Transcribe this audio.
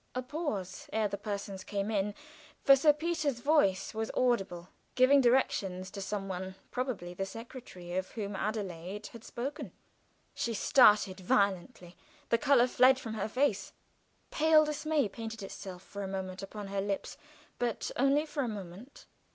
A pause ere the persons came in, for Sir Peter's voice was audible, giving directions to some one, probably the secretary of whom Adelaide had spoken. She started violently; the color fled from her face; pale dismay painted itself for a moment upon her lips, but only for a moment.